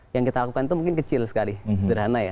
yang kita lakukan itu mungkin kecil sekali sederhana ya